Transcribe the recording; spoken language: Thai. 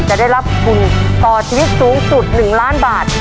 จะได้รับทุนต่อชีวิตสูงสุด๑ล้านบาท